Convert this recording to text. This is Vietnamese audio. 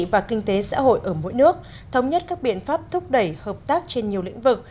và kinh tế xã hội ở mỗi nước thống nhất các biện pháp thúc đẩy hợp tác trên nhiều lĩnh vực